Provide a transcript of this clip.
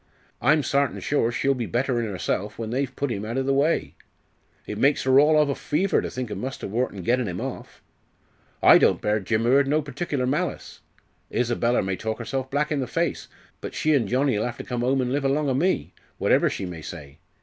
I'm sartin sure she'll be better in 'erself when they've put 'im out o' the way. It makes her all ov a fever to think of Muster Wharton gettin' 'im off. I don't bear Jim Hurd no pertickler malice. Isabella may talk herself black i' the face, but she and Johnnie'll have to come 'ome and live along o' me, whatever she may say.